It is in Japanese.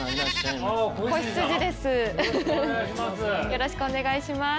よろしくお願いします。